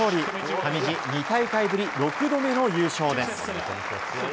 上地、２大会ぶり６度目の優勝です。